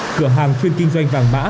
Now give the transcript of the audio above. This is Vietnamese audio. cửa hàng chuyên kinh doanh vàng mã